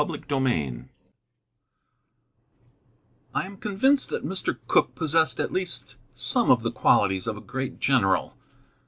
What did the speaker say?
CHAPTER XV I am convinced that Mr. Cooke possessed at least some of the qualities of a great general.